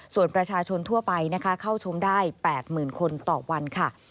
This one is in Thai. ส่วนประชาชนทั่วไปนะคะเข้าชมได้๘๐๐๐คนต่อวันค่ะ